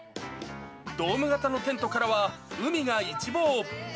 ドーム型のテントからは海が一望。